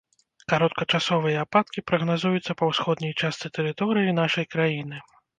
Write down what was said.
Кароткачасовыя ападкі прагназуюцца па ўсходняй частцы тэрыторыі нашай краіны.